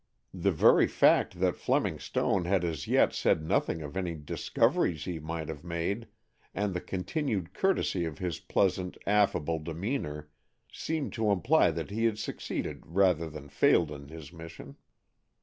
The very fact that Fleming Stone had as yet said nothing of any discoveries he might have made, and the continued courtesy of his pleasant, affable demeanor, seemed to imply that he had succeeded rather than failed in his mission.